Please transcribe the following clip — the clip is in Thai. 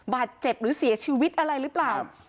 บาดเจ็บหรือเสียชีวิตอะไรหรือเปล่า